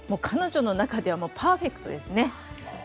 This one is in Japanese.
彼女の中ではパーフェクトですね。